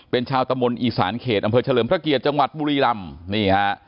เป็นชาวตะมนต์อีสานเขศอำเภิชะเริบพระเกียร์จังหวัดบุรีรำ